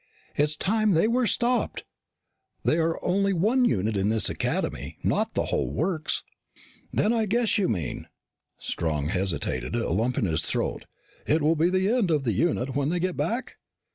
It's time they were stopped! They are only one unit in this Academy, not the whole works." "Then I guess you mean" Strong hesitated, a lump in his throat "it will be the end of the unit when they get back?"